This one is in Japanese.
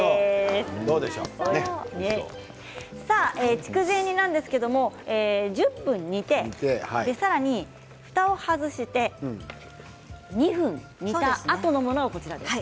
筑前煮なんですけれども１０分煮て、さらにふたを外して２分煮たあとのものです。